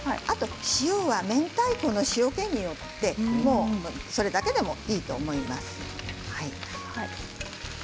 あと塩はめんたいこの塩けによってそれだけでもいいと思います。